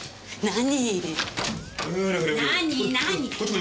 何？